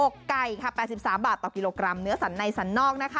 ไก่ค่ะ๘๓บาทต่อกิโลกรัมเนื้อสันในสันนอกนะคะ